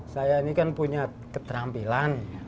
saya ini kan punya keterampilan